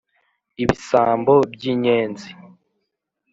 ibisambo by'inyenzi